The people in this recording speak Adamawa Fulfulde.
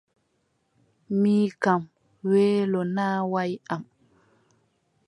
Mi kam weelo naawaay am.